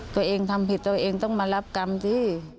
ตัวเองทำผิดตัวเองต้องมารับกรรมสิ